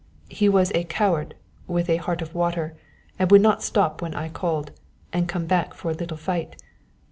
He was a coward with a heart of water, and would not stop when I called, and come back for a little fight.